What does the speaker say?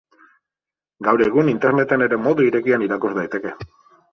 Gaur egun interneten ere modu irekian irakur daiteke.